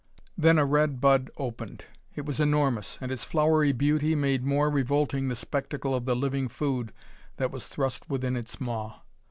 Then a red bud opened. It was enormous, and its flowery beauty made more revolting the spectacle of the living food that was thrust within its maw.